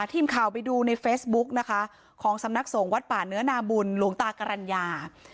ทีมข่าวไปดูในเฟซบุ๊กนะคะของสำนักสงฆ์วัดป่าเนื้อนาบุญหลวงตากรรณญา